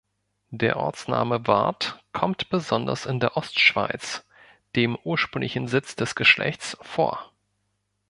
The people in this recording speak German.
Der Ortsname Wart kommt besonders in der Ostschweiz, dem ursprünglichen Sitz des Geschlechts, vor.